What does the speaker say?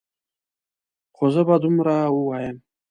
خو زه به دومره ووایم.